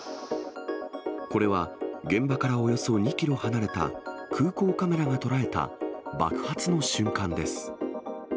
これは現場からおよそ２キロ離れた空港カメラが捉えた爆発の瞬間です。